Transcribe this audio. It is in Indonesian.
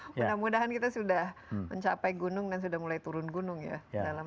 mudah mudahan kita sudah mencapai gunung dan sudah mulai turun gunung ya